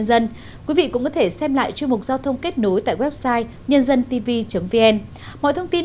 xin kính chào và hẹn gặp lại